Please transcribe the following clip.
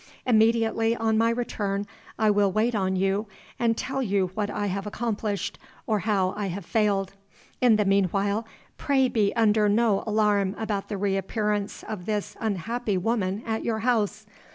"Immediately on my return I will wait on you, and tell you what I have accomplished, or how I have failed. "In the meanwhile, pray be under no alarm about the reappearance of this unhappy woman at your house.